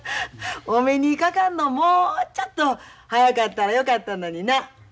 お目にかかんのもうちょっと早かったらよかったのにな。